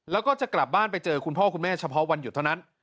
แล้วก็จะกลับบ้านไปเจอคุณพ่อคุณแม่เฉพาะวันหยุดเท่านั้น